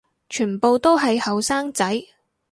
全部都係後生仔